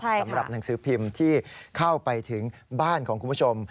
สำหรับหนังสือพิมพ์ที่เข้าไปถึงบ้านของคุณผู้ชม